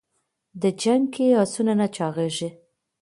د جنګ کې اسونه نه چاغېږي.